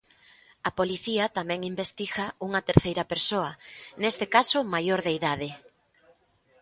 A policía tamén investiga unha terceira persoa, neste caso maior de idade.